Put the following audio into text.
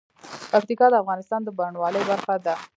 پکتیا د افغانستان د بڼوالۍ برخه ده.